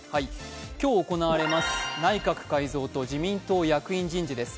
今日、行われます内閣改造と自民党役員人事です。